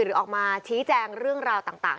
หรือออกมาชี้แจงเรื่องราวต่าง